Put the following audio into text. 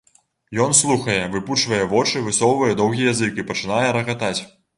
Ён слухае, выпучвае вочы, высоўвае доўгі язык і пачынае рагатаць.